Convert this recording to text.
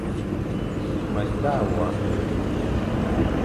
Me ta wa ;